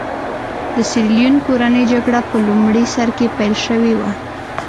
د سیریلیون کورنۍ جګړه په لومړي سر کې پیل شوې وه.